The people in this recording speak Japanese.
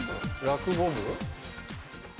落語部？